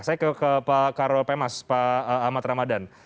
saya ke pak karo pemas pak ahmad ramadan